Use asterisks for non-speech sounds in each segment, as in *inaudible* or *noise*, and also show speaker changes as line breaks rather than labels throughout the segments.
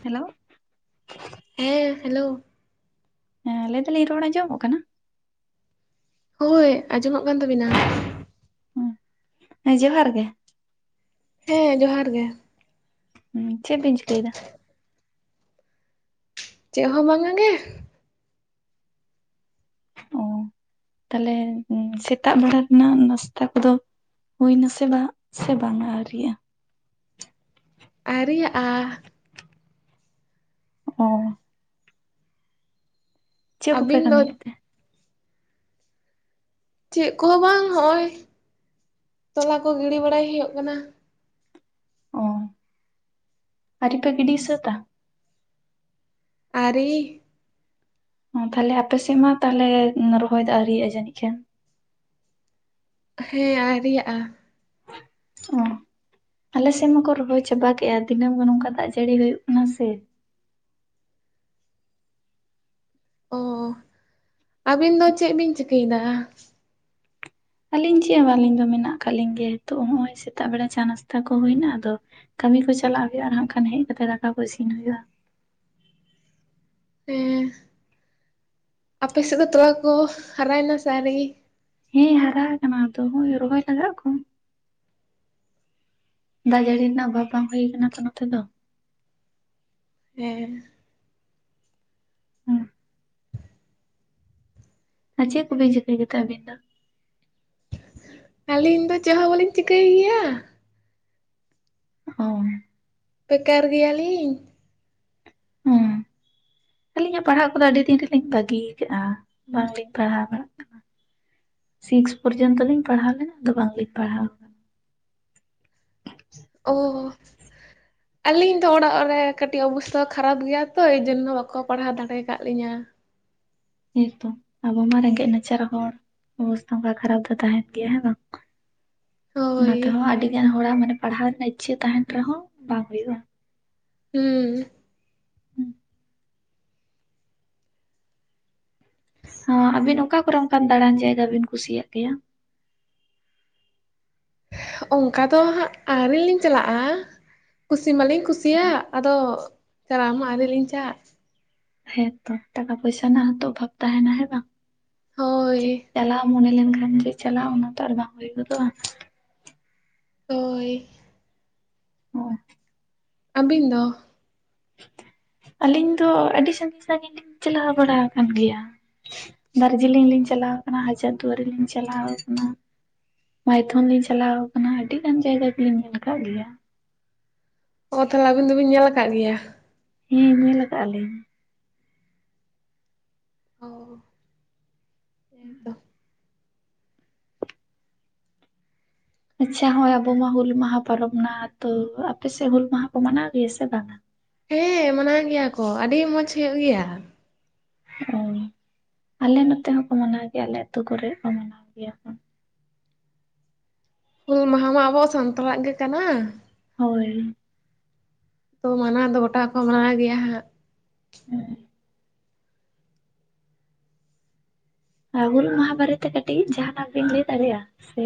Hello
ᱦᱮᱸ hello
ᱦᱮᱸ ᱞᱟᱹᱭ ᱫᱚᱞᱤᱧ ᱨᱚᱲ ᱟᱸᱡᱚᱢᱚᱜ ᱠᱟᱱᱟ?
ᱦᱳᱭ ᱟᱸᱡᱚᱢᱚᱜ ᱠᱟᱱ ᱛᱟᱹᱵᱤᱱᱟ᱾
ᱦᱩᱸ ᱦᱮᱸ ᱡᱚᱦᱟᱨ ᱜᱮ᱾
ᱦᱮᱸ ᱡᱚᱦᱟᱨ ᱜᱮ᱾
ᱦᱩᱸ ᱪᱮᱫ ‌ᱵᱤᱱ ᱪᱤᱠᱟ. ᱭᱮᱫᱟ?
ᱪᱮᱫ ᱦᱚᱸ ᱵᱟᱝᱼᱟ ᱜᱮ᱾
ᱚ ᱛᱟᱦᱚᱞᱮ ᱥᱮᱛᱟᱜ ᱵᱮᱲᱟ ᱨᱮᱱᱟᱜ ᱱᱟᱥᱛᱟ ᱠᱚᱫᱚ ᱦᱩᱭᱮᱱᱟ ᱥᱮ ᱵᱟᱝ ᱥᱮ ᱵᱟᱝ-ᱟ ᱟᱹᱣᱨᱤᱜ-ᱟ?
ᱟᱭᱨᱤ ᱭᱟᱜ-ᱟ᱾
ᱚᱸ ᱪᱮᱫ ᱠᱚᱯᱮ
ᱟᱹᱵᱤᱱ ᱫᱚ
ᱠᱟᱹᱢᱤ ᱮᱫ ᱛᱮ?
ᱪᱮᱫ ᱠᱚ ᱦᱚᱸ ᱵᱟᱝ ᱦᱚᱸᱜ-ᱚᱭ ᱛᱚᱞᱟ ᱠᱚ ᱜᱤᱲᱤ ᱵᱟᱲᱟᱭ ᱦᱩᱭᱩᱜ ᱠᱟᱱᱟ᱾
ᱚᱸ ᱟᱹᱣᱨᱤ ᱯᱮ ᱜᱤᱰᱤ ᱥᱟᱹᱛ-ᱟ᱾
ᱟᱹᱣᱨᱤ
ᱟ ᱛᱟᱦᱟᱞᱮ ᱟᱯᱮ ᱥᱮᱫ ᱢᱟ ᱛᱟᱦᱟᱞᱮ ᱨᱚᱦᱚᱭ ᱫᱚ ᱟᱣᱨᱤᱭᱟᱜ-ᱟ ᱡᱟᱹᱱᱤᱡ ᱠᱷᱟᱱᱼᱼ
ᱦᱮᱸ ᱟᱣᱨᱤ ᱭᱟᱜ-ᱟ᱾
ᱦᱚᱸ᱾ ᱟᱞᱮ ᱥᱮᱱ ᱢᱟᱠᱚ ᱨᱚᱦᱚᱭ ᱪᱟᱵᱟ ᱠᱮᱜ-ᱟ, ᱫᱤᱱᱟᱹᱢ ᱜᱮ ᱱᱚᱝᱠᱟ ᱫᱟᱜ ᱡᱟᱹᱲᱤ ᱦᱩᱭᱩᱜ ᱠᱟᱱᱟ ᱥᱮᱼᱼ
ᱚ ᱟᱹᱵᱤᱱ ᱫᱚ ᱪᱮᱜ ᱵᱤᱱ ᱪᱤᱠᱟᱹᱭ ᱫᱟ?
ᱟᱞᱤᱧ ᱪᱮᱫ ᱦᱚᱸ ᱵᱟᱝ ᱟᱹᱞᱤᱧ ᱫᱚ ᱢᱮᱱᱟᱜ ᱟᱠᱟᱫ ᱞᱤᱧ ᱜᱮᱭᱟ ᱱᱤᱛᱚᱜ ᱦᱚᱸᱜ-ᱚᱭ ᱥᱮᱛᱟᱜ ᱵᱮᱲᱟ ᱪᱟ ᱱᱟᱥᱛᱟ ᱠᱚ ᱦᱩᱭᱱᱟ ᱟᱫᱚᱼᱼ ᱠᱟᱢᱤ ᱠᱚ ᱪᱟᱞᱟᱜ ᱦᱩᱭᱩᱜ-ᱟ ᱦᱟᱸᱜ ᱠᱷᱟᱱ ᱦᱮᱡ ᱠᱟᱛᱮ ᱫᱟᱠᱟ ᱠᱚ ᱤᱥᱤᱱ ᱦᱩᱭᱩᱜ-ᱟ᱾
ᱦᱮᱸ ᱟᱯᱮ ᱥᱮᱫ ᱫᱚ ᱛᱚᱞᱟ ᱠᱚ ᱦᱟᱨᱟᱭ ᱱᱟ ᱥᱮ ᱟᱣᱨᱤ?
ᱦᱮᱸ ᱦᱟᱨᱟ ᱟᱠᱟᱱᱟ ᱛᱚ ᱦᱚᱸᱜᱼᱚᱭ ᱨᱚᱦᱚᱭ ᱞᱟᱜᱟᱜ ᱟᱠᱚ᱾ ᱫᱟᱜ ᱡᱟᱹᱲᱤ ᱨᱮᱱᱟᱜ ᱚᱵᱷᱟᱵᱽ ᱵᱟᱝ ᱦᱩᱭ ᱠᱟᱱᱟ ᱛᱚ ᱱᱚᱛᱮ ᱫᱚ᱾
ᱦᱮᱸ᱾
ᱦᱩᱸ ᱟᱨ ᱪᱮᱫ ᱠᱚ ᱵᱤᱱ ᱪᱤᱠᱟᱹᱭ ᱜᱮᱛᱮ ᱟᱹᱵᱤᱱ ᱫᱚ?
ᱟᱞᱤᱧ ᱫᱚ ᱪᱮᱜ ᱦᱚᱸ ᱵᱟᱹᱞᱤᱧ ᱪᱤᱠᱟᱹᱭ ᱜᱮᱭᱟ᱾
ᱚᱸ᱾
ᱵᱮᱠᱟᱨ ᱜᱮᱭᱟ ᱞᱤᱧ᱾
ᱦᱚᱸ᱾ ᱟᱹᱞᱤᱧᱟᱜ ᱯᱟᱲᱦᱟᱜ ᱠᱚᱫᱚ ᱟᱹᱰᱤ ᱫᱤᱱ ᱨᱮᱜᱮ ᱞᱤᱧ ᱵᱟᱹᱜᱤ ᱭᱟᱠᱟᱜ-ᱟ ᱵᱟᱝ ᱞᱤᱧ ᱯᱟᱲᱦᱟᱣ ᱵᱟᱲᱟᱜ ᱠᱟᱱᱟ᱾ ᱥᱤᱠᱥ ᱯᱚᱨᱡᱚᱱᱛᱚ ᱞᱤᱧ ᱯᱟᱲᱦᱟᱣ ᱞᱮᱱᱟ ᱟᱫᱚ ᱵᱟᱝ ᱞᱤᱧ ᱯᱟᱲᱦᱟᱣᱼᱼ
ᱚ ᱦᱚ᱾ ᱟᱞᱤᱧ ᱫᱚ ᱚᱲᱟᱜ ᱨᱮ ᱠᱟᱹᱴᱤᱡ ᱚᱵᱚᱥᱛᱟ ᱠᱷᱟᱨᱟᱯ ᱜᱮᱭᱟ ᱛᱚ ᱮᱭ ᱡᱚᱱᱱᱚ ᱵᱟᱠᱚ ᱯᱟᱲᱦᱟᱣ ᱫᱟᱲᱮ ᱠᱟᱫ ᱞᱤᱧᱟ᱾
ᱦᱮᱸ ᱛᱚ ᱟᱵᱚ ᱢᱟ ᱨᱮᱸᱜᱮᱡ ᱱᱟᱪᱟᱨ ᱦᱚᱲ᱾ ᱚᱵᱚᱥᱛᱟ ᱚᱝᱠᱟ ᱠᱷᱟᱨᱟᱯ ᱫᱚ ᱛᱟᱦᱮᱸᱱ ᱜᱮᱭᱟ ᱦᱮᱸ ᱵᱟᱝᱼᱼ ᱚᱱᱟ
ᱦᱳᱭ
ᱛᱮᱦᱚᱸ ᱟᱹᱰᱤ ᱜᱟᱱ ᱦᱚᱲᱟᱜ ᱢᱟᱱᱮ ᱯᱟᱲᱦᱟᱣ ᱨᱮᱱᱟᱜ ᱤᱪᱪᱷᱟᱹ ᱛᱟᱦᱮᱸᱱ ᱨᱮᱦᱚᱸ ᱵᱟᱝ ᱦᱩᱭᱩᱜ-ᱟ᱾
ᱦᱩᱸ᱾
ᱦᱚᱸ ᱟᱵᱤᱱ ᱚᱠᱟ ᱠᱚ ᱨᱮ ᱚᱱᱠᱟᱱ ᱫᱟᱬᱟᱱ ᱡᱟᱭᱜᱟ ᱵᱤᱱ ᱠᱩᱥᱤ ᱭᱟᱜ ᱜᱮᱭᱟ?
ᱚᱱᱠᱟ ᱫᱚ ᱦᱟᱸᱜ ᱟᱣᱨᱤ ᱞᱤᱧ ᱪᱟᱞᱟᱜ-ᱟ ᱠᱩᱥᱤ ᱢᱟ ᱞᱤᱧᱼᱼ ᱠᱩᱥᱤ ᱭᱟᱜ ᱟᱫᱚ ᱪᱟᱞᱟᱜ ᱢᱟ ᱟᱣᱨᱤ‌ ᱞᱤᱧ ᱪᱟᱜᱼᱼ
ᱦᱮᱸᱛᱚ ᱴᱟᱠᱟ ᱯᱩᱭᱥᱟ ᱱᱟᱜ ᱦᱚᱸᱛᱚ ᱚᱵᱷᱟᱵᱽ ᱛᱟᱦᱮᱸᱱᱟ ᱦᱮᱸ ᱵᱟᱝ
ᱦᱳᱭ
ᱪᱤᱜᱼᱼ ᱪᱟᱞᱟᱜ ᱢᱚᱱᱮ ᱞᱮᱱᱠᱷᱟᱱ ᱡᱮ ᱪᱟᱞᱟᱣ ᱚᱱᱟ ᱛᱚ ᱟᱨ ᱵᱟᱝ ᱦᱩᱭ ᱜᱚᱫᱚᱜ-ᱟ᱾
ᱦᱳᱭ᱾
ᱚᱸ᱾
ᱟᱹᱵᱤᱱ ᱫᱚ?
ᱟᱞᱤᱧ ᱫᱚ ᱟᱹᱰᱤ ᱥᱟᱺᱜᱤᱧ ᱥᱟᱺᱜᱤᱧ ᱞᱤᱧ ᱪᱟᱞᱟᱣ ᱵᱟᱲᱟ ᱟᱠᱟᱱ ᱜᱮᱭᱟ᱾ ᱫᱟᱨᱡᱤᱞᱤᱝ ᱞᱤᱧ ᱪᱟᱞᱟᱣ ᱟᱠᱟᱱᱟ ᱦᱟᱡᱟᱨ ᱫᱩᱣᱟᱹᱨᱤ ᱞᱤᱧ ᱪᱟᱞᱟᱣ ᱟᱠᱟᱱᱟ᱾ ᱢᱟᱭᱛᱷᱚᱱ ᱞᱤᱧ ᱪᱟᱞᱟᱣ ᱟᱠᱟᱱᱟ ᱟᱹᱰᱤ ᱜᱟᱱ ᱡᱟᱭᱜᱟ ᱜᱮ ᱞᱤᱧ ᱧᱮᱞ ᱟᱠᱟᱫ ᱜᱮᱭᱟ᱾
ᱚ ᱛᱟᱦᱚᱞᱮ ᱟᱵᱤᱱ ᱫᱚ ᱵᱤᱱ ᱧᱮᱞ ᱟᱠᱟᱫ ᱜᱮᱭᱟ᱾
ᱦᱮᱸ ᱧᱮᱞ ᱟᱠᱟᱜ-ᱟ ᱞᱤᱧ᱾
ᱚ ᱦᱮᱸ ᱛᱚ᱾
ᱟᱪᱪᱷᱟ ᱦᱳᱭ ᱟᱵᱚ ᱢᱟ ᱦᱩᱞ ᱢᱟᱦᱟᱸ ᱯᱟᱨᱚᱵᱢ ᱱᱟ ᱛᱚ ᱟᱯᱮ ᱥᱮᱫ ᱦᱩᱞ ᱢᱟᱦᱟᱸ ᱠᱚ ᱢᱟᱱᱟᱣ ᱜᱮᱭᱟ ᱥᱮ ᱵᱟᱝ-ᱟ᱾
ᱦᱮᱸ ᱢᱟᱱᱟᱣ ᱜᱮᱭᱟ ᱠᱚ ᱟᱰᱤ ᱢᱚᱸᱡᱽ ᱦᱩᱭᱩᱜ ᱜᱮᱭᱟ᱾
ᱚᱸ ᱟᱞᱮ ᱱᱚᱛᱮ ᱦᱚᱸᱠᱚ ᱢᱟᱱᱟᱣ ᱜᱮᱭᱟ ᱟᱞᱮ ᱟᱹᱛᱩ ᱠᱚᱨᱮ ᱠᱚ ᱢᱟᱱᱟᱣ ᱜᱮᱭᱟ ᱦᱟᱜᱸ᱾
ᱦᱩᱞ ᱢᱟᱦᱟᱸ ᱢᱟ ᱟᱵᱚᱣᱟᱜ ᱥᱟᱱᱛᱟᱞᱟᱜ ᱜᱮ ᱠᱟᱱᱟ᱾
ᱦᱳᱭ᱾
ᱛᱚ ᱢᱟᱱᱟᱣ ᱫᱚ ᱜᱚᱴᱟ ᱠᱚ ᱢᱟᱱᱟᱣ ᱜᱮᱭᱟ ᱦᱟᱸᱜ᱾
ᱦᱮᱸ᱾ ᱟᱵᱤᱱ ᱦᱩᱞ ᱢᱟᱦᱟ ᱵᱟᱨᱮ ᱛᱮ ᱠᱟᱹᱴᱤᱡ ᱡᱟᱸᱦᱟᱱᱟᱜ ᱵᱤᱱ ᱞᱟᱹᱭ ᱫᱟᱲᱮᱭᱟᱜ-ᱟ ᱥᱮᱼᱼ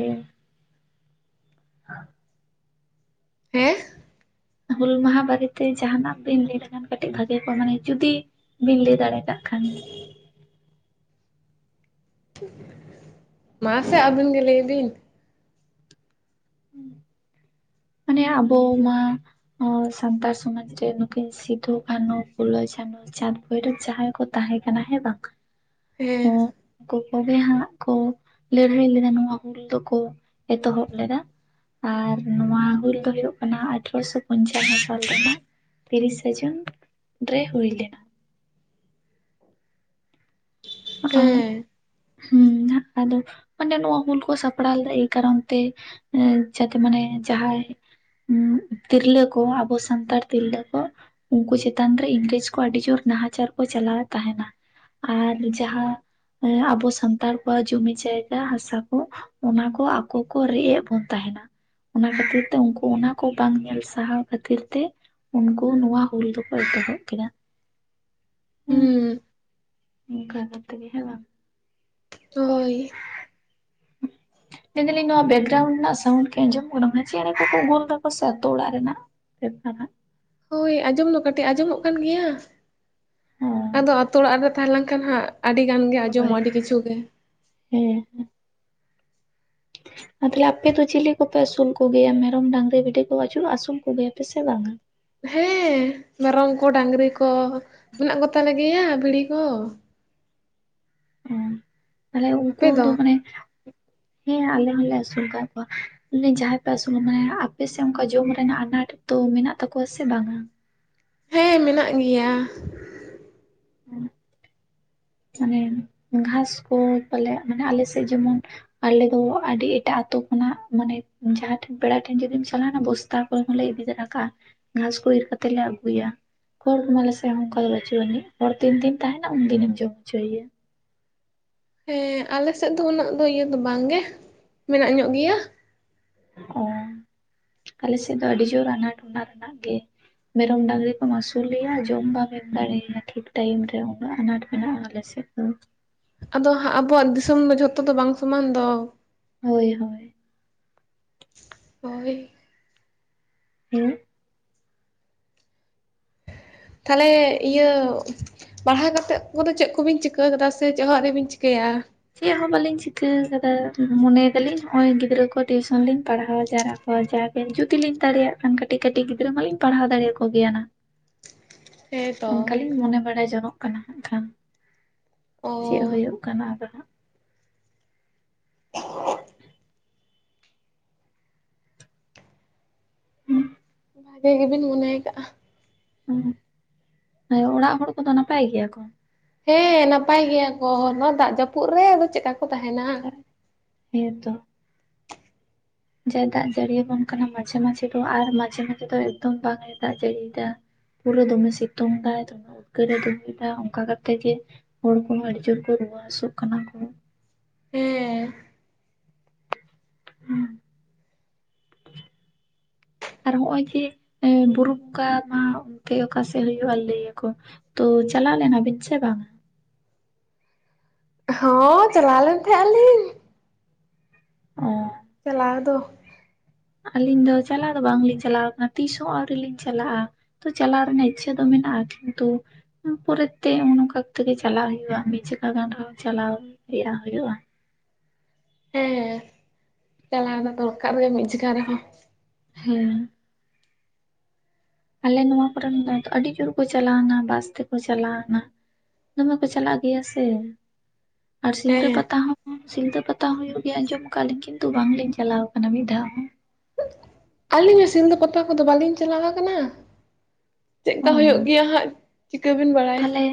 ᱮᱸ᱾
ᱦᱩᱞ ᱢᱟᱦᱟᱸ ᱵᱟᱨᱮᱛᱮ ᱡᱟᱦᱟᱱᱟᱜ ᱵᱤᱱ ᱞᱟᱹᱭ ᱞᱮᱠᱷᱟᱱ ᱠᱟᱹᱴᱤᱡ ᱵᱷᱟᱜᱮ ᱠᱚᱜ-ᱟ ᱢᱟᱱᱮ ᱡᱩᱫᱤ ᱵᱤᱱ ᱞᱟᱹᱭ ᱫᱟᱲᱮ ᱠᱟᱜ ᱠᱷᱟᱱ᱾
ᱢᱟᱥᱮ ᱟᱹᱵᱤᱱ ᱜᱮ ᱞᱟᱹᱭ ᱵᱤᱱ᱾
ᱢᱟᱱᱮ ᱟᱵᱚ ᱢᱟ- ᱚ ᱥᱟᱱᱛᱟᱲ ᱥᱚᱢᱟᱡᱽ ᱨᱮ ᱱᱩᱠᱤᱱ ᱥᱤᱫᱩ ᱠᱟᱹᱱᱩ ᱯᱷᱩᱞᱳ ᱡᱷᱟᱱᱳ ᱪᱟᱸᱫᱽ ᱵᱷᱳᱭᱨᱳᱵ ᱡᱟᱦᱟᱸᱭ ᱠᱚ- ᱛᱟᱦᱮᱸ ᱠᱟᱱᱟ ᱦᱮᱸ ᱵᱟᱝ᱾
ᱦᱮᱸ᱾
ᱩᱠᱩ ᱠᱚ ᱜᱮ ᱦᱟᱸᱜ ᱠᱚ ᱞᱟᱹᱲᱦᱟᱹᱭ ᱞᱮᱱᱟ ᱱᱚᱣᱟ ᱦᱩᱞ ᱫᱚ ᱠᱚ ᱮᱛᱚᱦᱚᱵ ᱞᱮᱫᱟ᱾ ᱟᱨ ᱱᱚᱣᱟ ᱦᱩᱞ ᱫᱚ ᱦᱩᱭᱩᱜ ᱠᱟᱱᱟ ᱟᱴᱷᱨᱚᱥᱚ ᱯᱚᱧᱪᱟᱱᱱᱚ ᱥᱟᱞ ᱨᱮᱱᱟᱜ᱾ ᱛᱤᱨᱤᱥᱮ ᱡᱩᱱ ᱨᱮ ᱦᱩᱭ ᱞᱮᱱᱟ᱾ ᱚᱸ
ᱦᱮᱸ
ᱦᱩᱸ ᱦᱟᱜ ᱟᱫᱚ ᱚᱰᱮ ᱱᱚᱣᱟ ᱦᱩᱞ ᱠᱚ ᱥᱟᱯᱲᱟᱣ ᱞᱮ ᱮᱭ ᱠᱟᱨᱚᱱ ᱛᱮ᱾ ᱮ ᱡᱟᱛᱮ ᱢᱟᱱᱮ ᱡᱟᱦᱟᱸᱭ ᱛᱤᱨᱞᱟᱹ ᱠᱚ ᱟᱵᱚ ᱥᱟᱱᱛᱟᱲ ᱛᱤᱨᱞᱟᱹ ᱠᱚ᱾ ᱩᱱᱠᱩ ᱪᱮᱛᱟᱱ ᱨᱮ ᱤᱝᱨᱮᱡᱽ ᱠᱚ ᱟᱹᱰᱤ ᱡᱳᱨ ᱱᱟᱦᱟᱪᱟᱨ ᱠᱚ ᱪᱟᱞᱟᱣ ᱮᱫ ᱛᱟᱦᱮᱱᱟ ᱟᱨ ᱡᱟᱦᱟᱸ ᱟᱵᱚ ᱥᱟᱱᱛᱟᱲ ᱠᱚᱣᱟᱜ ᱡᱚᱢᱤ ᱡᱟᱭᱜᱟ ᱦᱟᱥᱟ ᱠᱚ- ᱚᱱᱟ ᱠᱚ ᱟᱠᱚ ᱠᱚ ᱨᱮᱡ ᱮᱫ ᱵᱚᱱ ᱛᱟᱦᱮᱱᱟ᱾ ᱚᱱᱟ ᱠᱷᱟᱹᱛᱤᱨ ᱛᱮ ᱩᱱᱠᱩ ᱚᱱᱟ ᱠᱚ ᱵᱟᱝ ᱧᱮᱞ ᱥᱟᱦᱟᱣ ᱠᱷᱟᱹᱛᱤᱨ ᱛᱮ- ᱩᱱᱠᱩ ᱱᱚᱣᱟ ᱦᱩᱞ ᱫᱚᱠᱚ ᱮᱛᱚᱦᱚᱵ ᱠᱮᱫᱟ ᱦᱮᱸ᱾ *unintelligible*
ᱦᱩᱸ
ᱚᱱᱠᱟ ᱠᱟᱛᱮᱜ ᱜᱮ ᱦᱮᱸ ᱵᱟᱝ᱾
ᱦᱳᱭ᱾
ᱪᱮ *unintelligible* ᱢᱮᱱ ᱫᱟᱞᱤᱧ ᱱᱚᱣᱟ ᱵᱮᱠᱜᱨᱟᱣᱩᱱᱰ ᱨᱮᱱᱟᱜ ᱥᱟᱣᱩᱱᱰ ᱜᱮ ᱟᱸᱡᱚᱢ ᱚᱜ ᱠᱟᱱᱟ ᱢᱟᱱᱮ ᱪᱮᱬᱮ ᱠᱚ ᱠᱚ ᱜᱳᱞ ᱫᱟᱠᱚ ᱥᱮ ᱟᱛᱳ ᱚᱲᱟᱜ ᱨᱮᱱᱟᱜ᱾ ᱪᱮᱫ ᱠᱟᱱᱟ?
ᱦᱳᱭ ᱟᱸᱡᱚᱢ ᱫᱚ ᱠᱟᱹᱴᱤᱡ ᱟᱸᱡᱚᱢᱚᱜ ᱠᱟᱱ ᱜᱮᱭᱟ
ᱦᱚᱸ
ᱟᱫᱚ ᱟᱛᱳ ᱚᱲᱟᱜ ᱨᱮ ᱛᱟᱦᱮᱸ ᱞᱮᱱᱠᱷᱟᱱ ᱦᱟᱸᱜ ᱟᱹᱰᱤ ᱜᱟᱱ ᱜᱮ
ᱦᱳᱭ
ᱟᱸᱡᱚᱢᱚᱜ-ᱟ ᱟᱹᱰᱤ ᱠᱤᱪᱷᱩ ᱜᱮ᱾
ᱦᱮᱸ᱾ ᱟ ᱛᱟᱦᱚᱞᱮ ᱟᱯᱮ ᱫᱚ ᱪᱤᱞᱤ ᱠᱚᱯᱮ ᱟᱹᱥᱩᱞ ᱠᱚ ᱜᱮᱭᱟ ᱢᱮᱨᱚᱢ, ᱰᱟᱝᱨᱤ, ᱵᱷᱤᱰᱤ ᱠᱚ ᱟᱹᱪᱩᱞᱚᱜ ᱟᱹᱥᱩᱞ ᱠᱚ ᱜᱮᱭᱟ ᱯᱮ ᱥᱮ ᱵᱟᱝ-ᱟ?
ᱦᱮᱸ ᱢᱮᱨᱚᱢ ᱠᱚ ᱰᱟᱝᱨᱤ ᱠᱚ ᱢᱮᱱᱟᱜ ᱠᱚ ᱛᱟᱞᱮ ᱜᱮᱭᱟ ᱵᱷᱤᱲᱤ ᱠᱚ᱾
ᱚ ᱛᱟᱦᱞᱮ ᱩᱱᱠᱩ ᱫᱚ ᱢᱟᱱᱮ ᱦᱮᱸ ᱟᱞᱮ ᱦᱚᱸᱞᱮ ᱟᱹᱥᱩᱞ ᱠᱟᱜ ᱠᱚᱣᱟ᱾ ᱢᱮᱫᱟᱧ *unintelligible* ᱡᱟᱦᱟᱸᱭ ᱯᱮ ᱟᱹᱥᱩᱞ ᱢᱟᱱᱮ ᱟᱯᱮ ᱥᱮᱫ ᱚᱱᱠᱟ ᱡᱚᱢ ᱨᱮᱱᱟᱜ ᱟᱱᱟᱴ ᱫᱚ ᱢᱮᱱᱟᱜ ᱛᱟᱠᱚᱣᱟ ᱥᱮ ᱵᱟᱝ-ᱟ?
ᱦᱮᱸ ᱢᱮᱱᱟᱜ ᱜᱮᱭᱟ᱾
ᱮ ᱦᱮᱜ᱾ *unintelligible* ᱢᱟᱱᱮ ᱜᱷᱟᱥ ᱠᱚ ᱯᱟᱞᱮ ᱢᱟᱱᱮ ᱟᱞᱮ ᱥᱮᱫ ᱡᱮᱢᱚᱱ ᱟᱞᱮ ᱫᱚ ᱟᱰᱤ ᱮᱴᱟᱜ ᱟᱛᱳ ᱠᱷᱚᱱᱟᱜ ᱢᱟᱱᱮ ᱡᱟᱦᱟᱸ ᱴᱷᱮᱱ ᱯᱮᱲᱟ ᱴᱷᱮᱱ ᱡᱩᱫᱤᱢ ᱪᱟᱞᱟᱣᱱᱟ ᱵᱳᱥ ᱛᱟ ᱠᱚ ᱠᱚᱞᱮ ᱤᱫᱤ ᱛᱟᱨᱟ ᱠᱟᱜᱼᱟ ᱜᱷᱟᱥ ᱠᱚ ᱤᱨ ᱠᱟᱛᱮ ᱞᱮ ᱟᱹᱜᱩᱭᱟ᱾ ᱠᱷᱚᱲ ᱠᱚ ᱢᱟ ᱟᱞᱮ ᱥᱮᱱ ᱦᱚᱸ ᱚᱱᱠᱟ ᱫᱚ ᱵᱟᱹᱪᱩᱜ ᱟᱹᱱᱤᱡ᱾
ᱦᱮᱸ ᱟᱞᱮ ᱥᱮᱫ ᱫᱚ ᱩᱱᱟᱹᱜ ᱫᱚ ᱤᱭᱟᱹ ᱫᱚ ᱵᱟᱝ ᱜᱮ ᱢᱮᱱᱟᱜ ᱧᱚᱜ ᱜᱮᱭᱟ᱾
ᱚ ᱟᱞᱮ ᱥᱮᱫ ᱫᱚ ᱟᱹᱰᱤ ᱡᱳᱨ ᱟᱱᱟᱴ ᱚᱱᱟ ᱨᱮᱱᱟᱜ ᱜᱮ᱾ ᱢᱮᱨᱚᱢ ᱰᱟᱝᱨᱤ ᱠᱚᱢ ᱟᱹᱥᱩᱞᱮᱭᱟ ᱡᱚᱢ ᱵᱟᱢ ᱮᱢ ᱫᱟᱲᱮᱣᱟᱭᱟ ᱴᱷᱤᱠ ᱴᱟᱭᱤᱢ ᱨᱮ ᱩᱱᱟᱹᱜ ᱟᱱᱟᱴ ᱢᱮᱱᱟᱜᱼᱟ ᱟᱞᱮᱼᱼ *unintelligible*
ᱟᱫᱚ ᱟᱵᱚᱣᱟᱜ ᱫᱤᱥᱚᱢ ᱫᱚ ᱡᱷᱚᱛᱚ ᱫᱚ ᱵᱟᱝ ᱥᱚᱢᱟᱱ ᱫᱚ᱾
ᱦᱳᱭ ᱦᱳᱭ᱾
ᱦᱳᱭ᱾
ᱦᱮᱸ᱾
ᱛᱟᱦᱞᱮ ᱤᱭᱟᱹ ᱯᱟᱲᱦᱟᱣ ᱠᱟᱛᱮᱫ ᱠᱩᱫᱚ ᱪᱮᱫ ᱠᱚ ᱵᱤᱱ ᱪᱤᱠᱟᱹ ᱠᱟᱫᱟ ᱥᱮ ᱪᱮᱫ ᱦᱚᱸ ᱟᱣᱨᱤᱵᱤᱱ ᱪᱤᱠᱟᱹᱭᱟ?
ᱪᱮᱫ ᱦᱚᱸ ᱵᱟᱞᱤᱧ ᱪᱤᱠᱟᱹ ᱟᱠᱟᱫᱟ ᱢᱚᱱᱮᱭ ᱫᱟᱞᱤᱧ ᱱᱚᱜ ᱚᱭ ᱜᱤᱫᱽᱨᱟᱹ ᱠᱚ ᱴᱤᱭᱩᱥᱚᱱ ᱞᱤᱧ ᱯᱟᱲᱦᱟ ᱡᱟᱣᱨᱟ ᱦᱳᱭ ᱡᱟ ᱜᱮ ᱡᱩᱫᱤ ᱞᱤᱧ ᱫᱟᱲᱮᱭᱟᱜ ᱠᱷᱟᱱ ᱠᱟᱹᱴᱤᱡ ᱠᱟᱹᱴᱤᱡ ᱜᱤᱫᱽᱨᱟᱹ ᱢᱟᱞᱤᱧ ᱯᱟᱲᱦᱟᱣ ᱫᱟᱲᱮ ᱟᱠᱚ ᱜᱮᱭᱟ ᱱᱟ᱾
ᱦᱮᱸᱛᱚ
ᱚᱱᱠᱟ ᱞᱤᱧ ᱢᱚᱱᱮ ᱵᱟᱲᱟᱭ ᱡᱚᱱᱚᱜ ᱠᱟᱱᱟ ᱦᱟᱸᱜ ᱠᱷᱟᱱ᱾
ᱚ
ᱪᱮᱫ ᱦᱩᱭᱩᱜ ᱠᱟᱱᱟ ᱟᱫᱚ ᱦᱟᱜ᱾
*unintelligible*
ᱦᱟᱸᱜ
ᱴᱷᱤᱠᱮ ᱜᱮ ᱵᱤᱱ ᱢᱚᱱᱮᱭ ᱠᱟᱜᱼᱟ᱾
ᱚᱸ ᱚᱲᱟᱜ ᱦᱚᱲ ᱠᱚᱫᱚ ᱱᱟᱯᱟᱭ ᱜᱮᱭᱟ ᱠᱚ᱾
ᱦᱮᱸ ᱱᱟᱯᱟᱭ ᱜᱮᱭᱟ ᱠᱚ ᱱᱚᱣᱟ ᱫᱟᱜ ᱡᱟᱹᱯᱩᱫ ᱨᱮ ᱟᱫᱚ ᱪᱮᱫᱠᱟ ᱠᱚ ᱛᱟᱦᱮᱱᱟ
ᱦᱮᱸᱛᱚ᱾ ᱡᱟᱭ ᱫᱟᱜ ᱡᱟᱹᱲᱤᱭᱟᱵᱚᱱ ᱠᱟᱱᱟ ᱢᱟᱡᱷᱮ ᱢᱟᱡᱷᱮ ᱫᱚ ᱟᱨ ᱢᱟᱡᱷᱮ ᱢᱟᱡᱷᱮ ᱫᱚ ᱮᱠᱫᱚᱢ ᱵᱟᱝ ᱮ ᱫᱟᱜ ᱡᱟᱹᱲᱤᱭᱟ᱾ ᱯᱩᱨᱟᱹ ᱫᱚᱢᱮ ᱥᱤᱛᱩᱝ ᱫᱟᱭ ᱫᱚᱱᱟᱜ᱾ ᱩᱫᱽᱜᱟᱹᱨᱮ ᱫᱩᱦᱩᱭᱟ ᱚᱱᱠᱟ ᱠᱟᱛᱮ ᱜᱮ ᱦᱚᱲ ᱠᱚᱦᱚᱸ ᱟᱹᱰᱤ ᱡᱳᱨ ᱠᱚ ᱨᱩᱣᱟᱹ ᱦᱟᱹᱥᱩᱜ ᱠᱟᱱᱟ ᱠᱚ᱾
ᱦᱮᱸᱻ
ᱦᱮᱸ *inaudible* ᱟᱨ ᱱᱚᱜ ᱚᱭ ᱡᱮ ᱵᱩᱨᱩ ᱵᱚᱸᱜᱟ ᱢᱟ ᱚᱱᱛᱮ ᱚᱠᱟᱥᱮᱫ ᱦᱩᱭᱩᱜᱼᱟ ᱞᱟᱹᱭ ᱟᱠᱚ ᱛᱚᱻ ᱪᱟᱞᱟᱣ ᱞᱮᱱᱟ ᱵᱮᱱ ᱥᱮ ᱵᱟᱝ
ᱦᱚᱸᱻ ᱪᱟᱞᱟᱣ ᱞᱮᱱ ᱛᱟᱦᱮᱸ ᱟᱞᱤᱧ
ᱚᱻ
ᱪᱟᱞᱟᱶ ᱫᱚ
ᱟᱹᱞᱤᱧ ᱫᱚ ᱪᱟᱞᱟᱣ ᱫᱚ ᱵᱟᱝᱞᱤᱧ ᱪᱟᱞᱟᱣ ᱠᱟᱱᱟ ᱛᱤᱥ ᱦᱚᱸ ᱟᱹᱣᱨᱤ ᱞᱤᱧ ᱪᱟᱞᱟᱜᱼᱟ ᱛᱚ ᱪᱟᱞᱟᱜ ᱨᱮᱱᱟᱜ ᱤᱪᱷᱟᱹ ᱫᱚ ᱢᱮᱱᱟᱜᱼᱟ ᱠᱤᱱᱛᱩ ᱯᱚᱨᱮ ᱛᱮ ᱚᱱᱠᱟ ᱠᱟᱛᱮᱜᱮ ᱪᱟᱞᱟᱜ ᱦᱩᱭᱩᱜᱼᱟ ᱢᱤᱫ ᱪᱮᱠᱟ ᱜᱟᱱ ᱨᱮᱦᱚᱸ ᱪᱟᱞᱟᱣ ᱨᱮᱭᱟᱜ ᱦᱩᱭᱩᱜᱼᱟ
ᱦᱮᱸᱻ ᱪᱟᱞᱟᱣ ᱫᱚ ᱫᱚᱨᱠᱟᱨ ᱜᱮ ᱢᱤᱫ ᱡᱤᱭᱜᱟ ᱨᱮᱦᱚᱸ
ᱦᱮᱸᱻ ᱟᱞᱮ ᱱᱚᱣᱟ ᱠᱚᱨᱮᱱ ᱫᱚ ᱟᱹᱰᱤ ᱡᱳᱨ ᱠᱚ ᱪᱟᱞᱟᱣᱱᱟ ᱵᱟᱥ ᱛᱮᱠᱚ ᱪᱟᱞᱟᱣᱱᱟ ᱫᱚᱢᱮ ᱠᱚ ᱪᱟᱞᱟᱜ ᱜᱮᱭᱟ ᱥᱮ ᱟᱨ ᱥᱤᱞᱫᱟᱹ
ᱦᱮᱸ
ᱯᱟᱛᱟ ᱦᱚᱸ ᱥᱤᱞᱫᱟᱹ ᱯᱟᱛᱟ ᱦᱚ ᱦᱩᱭᱩᱜ ᱜᱮᱭᱟ ᱟᱸᱡᱚᱢ ᱟᱠᱟᱜᱼᱟ ᱞᱤᱧ ᱠᱤᱱᱛᱩ ᱵᱟᱝᱞᱤᱧ ᱪᱟᱞᱟᱣ ᱟᱠᱟᱱᱟ ᱢᱤᱫ ᱫᱷᱟᱣ ᱦᱚᱸ
ᱟᱹᱞᱤᱧ ᱦᱚᱸ ᱥᱤᱞᱫᱟᱹ ᱯᱟᱛᱟ ᱠᱚᱫᱚ ᱵᱟᱹᱞᱤᱧ ᱪᱟᱞᱟᱣ ᱠᱟᱱᱟ
ᱚ
ᱪᱮᱫᱠᱟ ᱦᱩᱭᱩᱜ ᱜᱮᱭᱟ ᱦᱟᱸᱜ ᱪᱷᱤᱠᱟᱹ ᱵᱮᱱ ᱵᱟᱲᱟᱭ
ᱛᱟᱦᱚᱞᱮ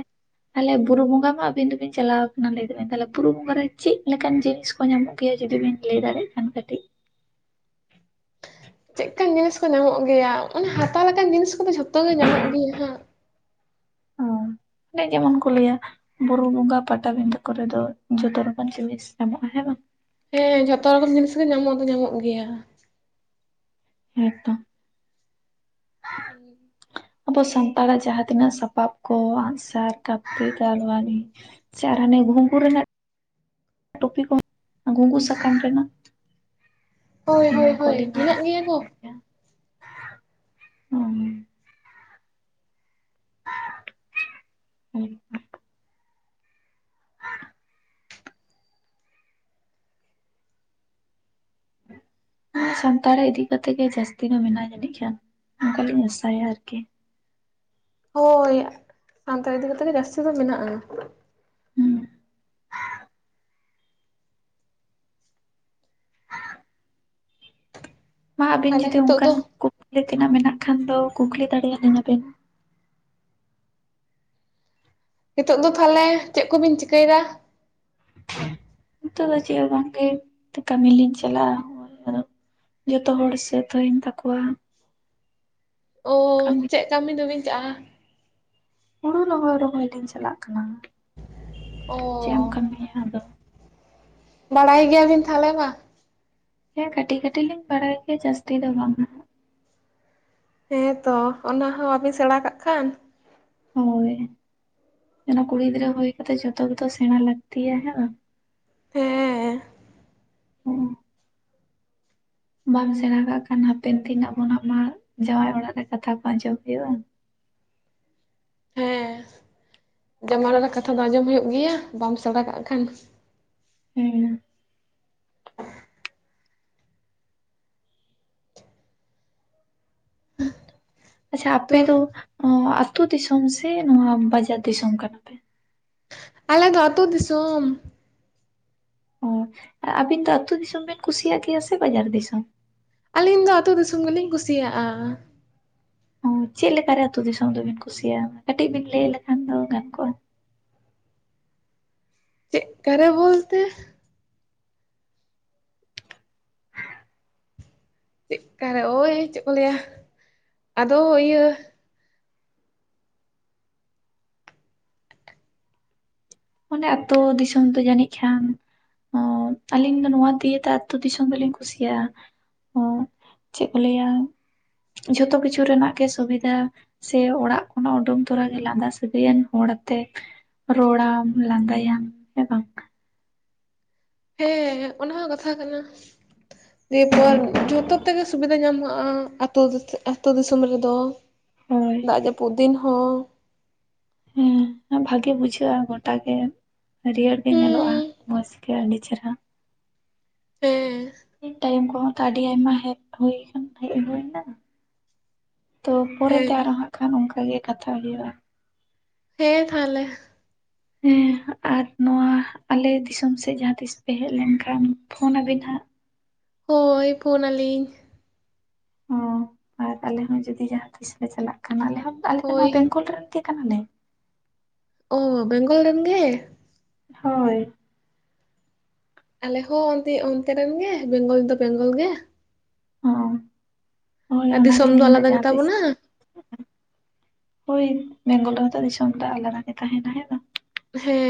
ᱛᱟᱦᱚᱞᱮ ᱵᱩᱨᱩ ᱵᱚᱸᱜᱟ ᱢᱟ ᱟᱵᱤᱱ ᱫᱚᱵᱤᱱ ᱪᱟᱞᱟᱣ ᱟᱠᱟᱱᱟ ᱞᱟᱹᱭᱵᱤᱱ ᱛᱟᱦᱚᱞᱮ ᱵᱩᱨᱩ ᱵᱚᱸᱜᱟ ᱨᱮ ᱪᱮᱫ ᱞᱮᱠᱟᱱ ᱡᱤᱱᱤᱥ ᱠᱚ ᱧᱟᱢᱚᱜ ᱜᱮᱭᱟ ᱡᱩᱫᱤ ᱵᱮᱤᱱ ᱞᱟᱹᱭ ᱫᱟᱲᱮᱭᱟᱜ ᱠᱷᱟᱱ ᱠᱟᱹᱴᱤᱡ
ᱪᱮᱫ ᱞᱮᱠᱟᱱ ᱡᱤᱱᱤᱥ ᱠᱚ ᱧᱟᱢᱚᱜ ᱜᱮᱭᱟ ᱚᱱᱮ ᱦᱟᱛᱟᱣ ᱞᱮᱠᱟᱱ ᱡᱤᱱᱤᱥ ᱠᱚᱫᱚ ᱡᱷᱚᱛᱚ ᱜᱮ ᱧᱟᱢᱚᱜ ᱜᱮᱭᱟ ᱦᱟᱸᱜ
ᱮ ᱡᱮᱢᱚᱱ ᱠᱚ ᱞᱟᱹᱭᱟ ᱵᱩᱨᱩ ᱵᱚᱸᱜᱟ ᱯᱟᱴᱟᱵᱤᱫᱟᱹ ᱠᱚᱨᱮ ᱫᱚ ᱡᱚᱛᱚ ᱨᱚᱠᱚᱢ ᱡᱤᱱᱤᱥ ᱧᱟᱢᱚᱜᱼᱟ ᱦᱮᱸ ᱵᱟᱝ
ᱦᱮᱸ ᱡᱷᱚᱛᱚ ᱞᱮᱠᱚᱢ ᱡᱤᱱᱤᱥ ᱜᱮ ᱧᱟᱢᱚᱜ ᱫᱚ ᱧᱟᱢᱚᱜ ᱜᱮᱭᱟ᱾
ᱦᱮᱛᱚ
ᱦᱮᱸ
ᱟᱵᱚ ᱥᱟᱱᱛᱟᱲᱟᱜ ᱡᱟᱦᱟᱸ ᱛᱤᱱᱟᱹᱜ ᱥᱟᱯᱟᱵ ᱠᱚ ᱟᱸᱜᱥᱟᱨ ᱠᱟᱹᱯᱤ ᱫᱟᱞᱣᱟᱲᱤ ᱪᱟᱨ ᱦᱟᱱᱮ ᱜᱩᱦᱩᱢ ᱠᱩᱨᱮᱱᱟᱜ ᱴᱚᱯᱤ ᱠᱚ ᱜᱩᱝᱜᱩ ᱥᱟᱠᱟᱢ ᱨᱮᱱᱟᱜ
ᱦᱳᱭ
ᱚᱱᱟ
ᱦᱳᱭ ᱦᱳᱭ
ᱠᱚᱞᱤᱧ ᱚ
ᱢᱮᱱᱟᱜ ᱜᱮᱭᱟ ᱠᱚ
ᱦᱮᱸ *unintelligible* ᱦᱮᱻ ᱥᱟᱱᱛᱟᱲᱟᱜ ᱤᱫᱤ ᱠᱟᱛᱮ ᱜᱮ ᱡᱟᱹᱥᱛᱤ ᱫᱚ ᱢᱮᱱᱟᱭᱟ ᱡᱟᱹᱱᱤᱡ ᱠᱷᱟᱱ ᱚᱱᱠᱟ ᱞᱤᱧ ᱟᱥᱟᱭᱟ ᱟᱨᱠᱤ
ᱦᱳᱭ ᱥᱟᱱᱛᱟᱲ ᱤᱫᱤ ᱠᱟᱛᱮᱫ ᱜᱮ ᱡᱟᱹᱥᱛᱤ ᱫᱚ ᱢᱮᱱᱟᱜᱼᱟ
ᱦᱩᱸ ᱢᱟ ᱟᱹᱵᱤᱱ
ᱛᱟᱦᱚᱞᱮ
ᱡᱩᱫᱤ
ᱦᱤᱛᱚᱜ
ᱚᱱᱠᱟᱱ
ᱫᱚ
ᱠᱩᱠᱞᱤ ᱛᱮᱱᱟᱜ ᱢᱮᱱᱟᱜ ᱠᱷᱟᱱ ᱫᱚ ᱠᱩᱠᱞᱤ ᱫᱟᱲᱮᱭᱟᱞᱤᱧᱟ ᱵᱮᱱ
ᱱᱤᱛᱚᱜ ᱫᱚ ᱛᱟᱦᱚᱞᱮ ᱪᱮᱫ ᱠᱚᱵᱤᱱ ᱪᱤᱠᱟᱹᱭᱮᱫᱟ
*unintelligible* ᱵᱟᱝᱮ ᱠᱟᱹᱢᱤ ᱞᱤᱧ ᱪᱞᱟ-ᱟ ᱡᱚᱛᱚ ᱦᱚᱲ ᱥᱟᱹᱛ ᱦᱩᱭᱮᱱ ᱛᱟᱠᱚᱣᱟ᱾
ᱚᱻ ᱪᱮᱫ ᱠᱟᱹᱢᱤ ᱫᱚ ᱵᱤᱱ ᱪᱟᱼᱟ
ᱦᱩᱲᱩ ᱨᱚᱦᱚᱭ ᱨᱚᱦᱚᱭ ᱞᱤᱧ ᱪᱟᱞᱟᱜ ᱠᱟᱱᱟ ᱪᱮᱫ ᱮᱢ
ᱚ
ᱠᱟᱹᱢᱤᱭᱟ ᱟᱫᱚ
ᱵᱟᱲᱟᱭ ᱜᱮᱭᱟᱵᱤᱱ ᱛᱟᱦᱚᱞᱮ ᱵᱟ
ᱦᱮᱸ ᱠᱟᱹᱴᱤᱡ ᱠᱟᱹᱴᱤᱡ ᱞᱤᱧ ᱵᱟᱲᱟᱭ ᱜᱮᱭᱟ ᱡᱟᱹᱥᱛᱤ ᱫᱚ ᱵᱟᱝ
ᱦᱮᱸᱛᱚ ᱚᱱᱟ ᱦᱚᱸ ᱵᱟᱵᱤᱱ ᱥᱮᱬᱟ ᱠᱟᱜ ᱠᱷᱟᱱ
ᱦᱳᱭ ᱚᱱᱟ ᱠᱩᱲᱤ ᱜᱤᱫᱽᱨᱟᱹ ᱦᱩᱭ ᱠᱟᱛᱮ ᱡᱚᱛᱚ ᱜᱮᱛᱚ ᱥᱮᱬᱟ ᱞᱟᱹᱠᱛᱤᱭᱟ ᱦᱮ ᱵᱟᱝ
ᱦᱮᱸ
ᱦᱩᱸ ᱵᱟᱢ ᱥᱮᱬᱟ ᱠᱟᱜ ᱠᱷᱟᱱ ᱦᱟᱯᱮᱱ ᱛᱤᱱᱟᱹᱜ ᱵᱚᱱᱟ ᱢᱟ ᱡᱟᱶᱟᱭ ᱚᱲᱟᱜ ᱨᱮ ᱠᱟᱛᱷᱟ ᱠᱚ ᱟᱸᱡᱚᱢ ᱦᱩᱭᱩᱜᱼᱟ
ᱦᱮᱸ ᱡᱟᱢᱟᱜ ᱚᱱᱟᱜ ᱨᱮ ᱠᱟᱛᱷᱟ ᱫᱚ ᱟᱸᱡᱚᱢ ᱦᱩᱭᱩᱜ ᱜᱮᱭᱟ ᱵᱟᱢ ᱥᱮᱬᱟ ᱠᱟᱜ ᱠᱷᱟᱱ
ᱦᱮᱸ ᱟᱪᱪᱷᱟ ᱟᱯᱮ
ᱛᱚ
ᱫᱚ ᱟᱻ ᱟᱹᱛᱩ ᱫᱤᱥᱚᱢ ᱥᱮ ᱱᱚᱣᱟ ᱵᱟᱡᱟᱨ ᱫᱤᱥᱚᱢ ᱠᱟᱱᱟ ᱯᱮ᱾
ᱟᱞᱮ ᱫᱚ ᱟᱛᱩ ᱫᱤᱥᱚᱢ
ᱚ ᱟᱵᱤᱱ ᱫᱚ ᱟᱹᱛᱩ ᱫᱤᱥᱚᱢ ᱵᱤᱱ ᱠᱩᱥᱤᱭᱟᱜ ᱜᱮᱭᱟ ᱥᱮ ᱵᱟᱡᱟᱨ ᱫᱤᱥᱚᱢ
ᱟᱹᱞᱤᱧ ᱫᱚ ᱟᱛᱩ ᱫᱤᱥᱚᱢ ᱜᱮᱞᱤᱧ ᱠᱩᱥᱤᱭᱟᱜᱼᱟ
ᱚ ᱪᱮᱫ ᱞᱮᱠᱟᱨᱮ ᱟᱛᱳ ᱫᱤᱥᱚᱢ ᱫᱚᱵᱤᱱ ᱠᱩᱥᱤᱭᱟᱜᱼᱟ ᱠᱟᱹᱴᱤᱡ ᱵᱤᱱ ᱞᱟᱹᱭ ᱞᱮᱠᱷᱟᱱ ᱫᱚ ᱜᱟᱱ ᱠᱚᱜᱼᱟ
ᱪᱮᱜ ᱠᱟᱨᱮ ᱵᱳᱞᱛᱮ ᱪᱮᱜ ᱠᱟ ᱨᱮ ᱳᱭ ᱪᱮᱫ ᱠᱚ ᱞᱟᱹᱭᱟ ᱟᱫᱚ ᱤᱭᱟᱹ
ᱚᱱᱮ ᱟᱹᱛᱩ ᱫᱤᱥᱚᱢ ᱫᱚ ᱡᱟᱹᱱᱤᱡ ᱠᱷᱟᱱ ᱚ ᱟᱞᱤᱧ ᱫᱚ ᱱᱚᱣᱟ ᱫᱤᱭᱟᱹ ᱛᱮ ᱟᱛᱳ ᱫᱤᱥᱚᱢ ᱫᱚᱞᱤᱧ ᱠᱩᱥᱤᱭᱟᱜᱼᱟ ᱚ ᱪᱮᱫ ᱠᱚ ᱞᱟᱹᱭᱟ ᱡᱷᱚᱛᱚ ᱠᱤᱪᱷᱩ ᱨᱮᱱᱟᱜ ᱜᱮ ᱥᱩᱵᱤᱫᱷᱟ ᱥᱮ ᱚᱲᱟᱜ ᱠᱷᱚᱱᱟᱜ ᱩᱰᱩᱝ ᱛᱚᱨᱟ ᱜᱮ ᱞᱟᱸᱫᱟ ᱥᱟᱹᱜᱟᱹᱭᱟᱱ ᱦᱚᱲ ᱛᱮ ᱨᱚᱲᱟᱢ ᱞᱟᱸᱫᱟᱭᱟᱢ ᱥᱮ ᱵᱟᱝ
ᱦᱮᱸ ᱚᱱᱟ ᱦᱚᱸ ᱠᱟᱛᱷᱟ ᱠᱟᱱᱟ ᱫᱤᱭᱮᱯᱚᱨ
ᱵᱟᱝ
ᱡᱷᱚᱛᱚ ᱡᱚᱛᱚ ᱛᱮᱜᱮ ᱥᱩᱵᱤᱫᱟ ᱧᱟᱢᱚᱜᱼᱟ ᱟᱛᱳ ᱫᱤᱥᱚᱢ ᱨᱮᱫᱚ
ᱦᱳᱭ
ᱫᱟᱜ ᱡᱟᱹᱯᱩᱫ ᱯᱩᱫᱤᱱ ᱦᱚᱸ
ᱦᱮᱸ ᱵᱷᱟᱜᱮ ᱵᱩᱡᱷᱟᱹᱜᱼᱟ ᱜᱚᱴᱟ ᱜᱮ ᱦᱟᱹᱨᱭᱟᱹᱲ ᱜᱮ ᱧᱮᱞᱚᱜᱼᱟ
ᱦᱩᱸ
ᱢᱚᱡᱽ ᱜᱮ ᱟᱹᱰᱤ ᱪᱮᱦᱨᱟ
ᱦᱮᱸ
ᱤ ᱴᱟᱭᱤᱢ ᱠᱚᱦᱚᱸ ᱛᱚ ᱟᱹᱰᱤ ᱟᱭᱢᱟ ᱦᱮᱡ ᱦᱩᱭ ᱠᱟᱱᱟ ᱦᱮᱡ ᱦᱩᱭ ᱮᱱᱟ ᱛᱚ ᱯᱚᱨᱮ ᱛᱮ
ᱦᱮᱸ
ᱟᱨᱚ ᱦᱟᱸᱜ ᱠᱷᱟᱱ ᱚᱱᱠᱟ ᱜᱮ ᱠᱟᱛᱷᱟ ᱦᱩᱭᱩᱜᱼᱟ
ᱦᱮᱸ ᱛᱟᱦᱞᱮ
ᱦᱮᱸ ᱟᱨ ᱱᱚᱣᱟ ᱟᱞᱮ ᱫᱤᱥᱚᱢ ᱥᱮᱫ ᱡᱟᱦᱟᱸ ᱛᱤᱥ ᱯᱮ ᱦᱮᱡ ᱞᱮᱱᱠᱷᱟᱱ ᱯᱷᱳᱱ ᱟᱵᱤᱱ ᱦᱟᱜ
ᱦᱳᱭ ᱯᱷᱳᱱᱟᱞᱤᱧ
ᱚ ᱟᱨ ᱟᱞᱮ ᱦᱚᱸ ᱡᱩᱫᱤ ᱡᱟᱦᱟᱸ ᱛᱤᱥ ᱞᱮ ᱪᱟᱞᱟᱜ ᱠᱷᱟᱱ ᱟᱞᱮ ᱦᱚᱸ ᱟᱞᱮ ᱫᱚ
ᱦᱳᱭ
ᱱᱚᱣᱟ ᱵᱮᱝᱜᱚᱞ ᱨᱮᱱ ᱜᱮ ᱠᱟᱱᱟᱞᱮ
ᱚ ᱵᱮᱝᱜᱚᱞ ᱨᱮᱱ ᱜᱮ
ᱦᱳᱭ
ᱟᱞᱮ ᱦᱚᱸ ᱚᱱ ᱚᱱᱛᱮᱨᱮ ᱨᱮᱱ ᱜᱮ ᱵᱮᱝᱜᱚᱞ ᱫᱚ ᱵᱮᱝᱜᱚᱞ ᱜᱮ
ᱦᱚᱸ ᱦᱳᱭ
ᱟᱨ
ᱚᱱᱟ
ᱫᱤᱥᱚᱢ
ᱜᱮᱞᱤᱧ ᱫᱚ
ᱟᱞᱟᱫᱟ
ᱡᱟᱦᱟᱸ
ᱜᱮᱛᱟ
ᱛᱤᱥ
ᱵᱚᱱᱟ
ᱦᱳᱭ ᱵᱮᱝᱜᱚᱞ ᱨᱮᱱᱛᱚ ᱫᱤᱥᱚᱢ ᱴᱟᱜ ᱟᱞᱮᱨᱮᱱ ᱜᱮ ᱛᱟᱦᱮᱸᱱᱟ ᱦᱮᱸ ᱵᱟᱝ
ᱦᱮᱸ